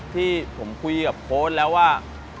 ที่ผมคุยกับโค้ดแล้วว่า